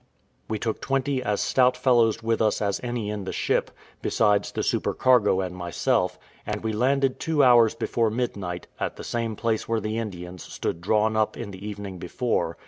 We took twenty as stout fellows with us as any in the ship, besides the supercargo and myself, and we landed two hours before midnight, at the same place where the Indians stood drawn up in the evening before.